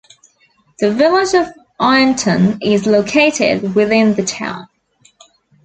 The Village of Ironton is located within the town.